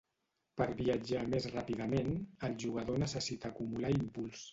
Per viatjar més ràpidament, el jugador necessita acumular impuls.